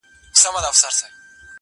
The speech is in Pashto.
سړی چي مړسي ارمانونه يې دلېپاتهسي,